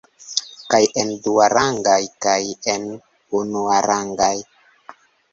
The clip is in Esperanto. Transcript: Kaj en duarangaj kaj en unuarangaj.